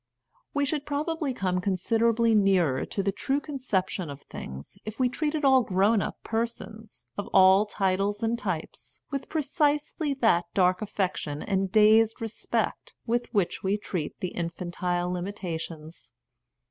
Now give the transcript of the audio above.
We should probably come considerably nearer to the true conception of things if we treated all grown up persons, of all titles and types, with precisely that dark affection and dazed respect with which we treat the infantile limitations.